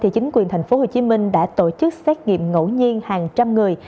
chính quyền thành phố hồ chí minh đã tổ chức xét nghiệm ngẫu nhiên hàng trăm người